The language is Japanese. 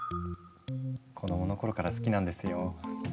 子供の頃から好きなんですよ。